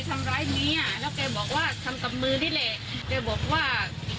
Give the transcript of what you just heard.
พร้อมจะทำอยู่แต่ยังไง